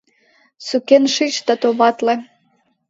Сукен шич да товатле!